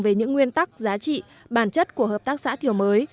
về những nguyên tắc giá trị bản chất của hợp tác xã kiểu mới